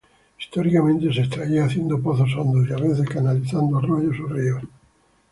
Históricamente se extraía haciendo pozos hondos y, a veces, canalizando arroyos o ríos.